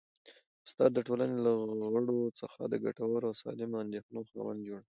استاد د ټولني له غړو څخه د ګټورو او سالمې اندېښنې خاوندان جوړوي.